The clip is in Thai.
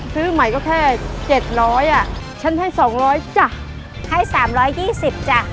ซื้อใหม่ก็แค่เจ็ดร้อยอ่ะฉันให้สองร้อยจ้ะให้สามร้อยยี่สิบจ้ะ